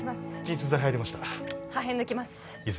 鎮痛剤入りました破片抜きます